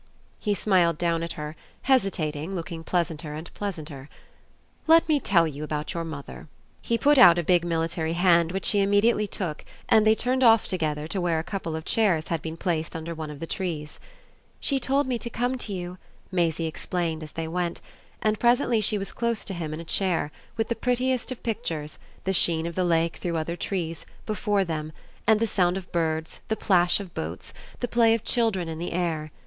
He smiled down at her, hesitating, looking pleasanter and pleasanter. "Let me tell you about your mother." He put out a big military hand which she immediately took, and they turned off together to where a couple of chairs had been placed under one of the trees. "She told me to come to you," Maisie explained as they went; and presently she was close to him in a chair, with the prettiest of pictures the sheen of the lake through other trees before them, and the sound of birds, the plash of boats, the play of children in the air.